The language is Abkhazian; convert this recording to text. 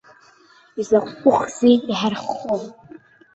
Изакәыхзеи иҳарххо!